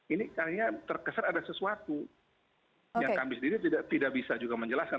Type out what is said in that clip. ini akhirnya terkesan ada sesuatu yang kami sendiri tidak bisa juga menjelaskan